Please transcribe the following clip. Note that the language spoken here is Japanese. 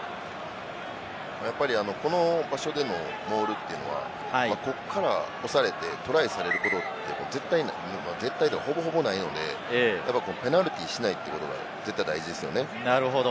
この場所でのモールっていうのは、ここから押されてトライされることってのは絶対というかほぼほぼないので、ペナルティーしないということが絶対大事ですね。